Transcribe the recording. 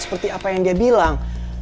seperti apa yang dia bilang